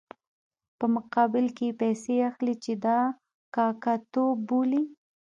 په مقابل کې یې پیسې اخلي چې دا کاکه توب بولي.